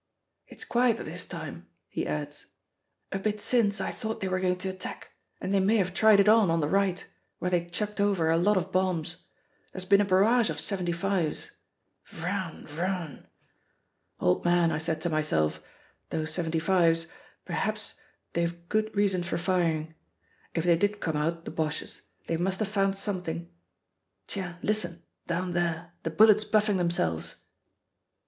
"It's quiet at this time," he adds "A bit since I thought they were going to attack, and they may have tried it on, on the right, where they chucked over a lot of bombs. There's been a barrage of 75's vrrrran, vrrrran Old man, I said to myself, 'Those 75's, p'raps they've good reason for firing. If they did come out, the Boches, they must have found something.' Tiens, listen, down there, the bullets buffing themselves!"